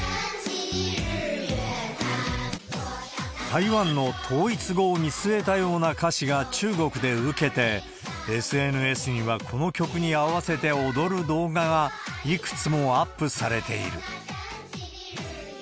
台湾の統一後を見据えたような歌詞が中国で受けて、ＳＮＳにはこの曲に合わせて踊る動画がいくつもアップされている。